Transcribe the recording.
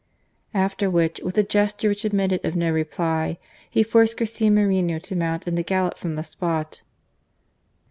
After which, with a gesture which admitted of no reply, he forced Garcia Moreno to mount and, to gallop from the spot.